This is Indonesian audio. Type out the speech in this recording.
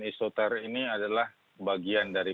isoter ini adalah bagian dari